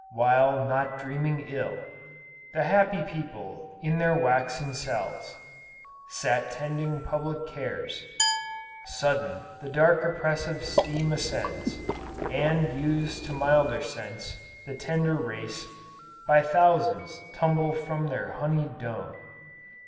while, not dreaming ill, The happy people, in their waxen cells, Sat tending public cares; Sudden, the dark oppressive steam ascends, And, used to milder scents, the tender race, By thousands, tumble from their honied dome!